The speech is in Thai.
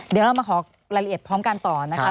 เดี๋ยวเรามาขอรายละเอียดพร้อมกันต่อนะคะ